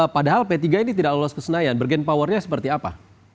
padahal p tiga ini tidak lolos ke senayan bergen powernya seperti apa